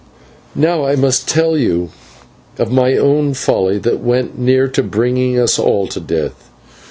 Now I must tell of my own folly that went near to bringing us all to death.